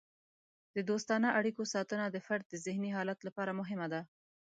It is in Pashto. د دوستانه اړیکو ساتنه د فرد د ذهني حالت لپاره مهمه ده.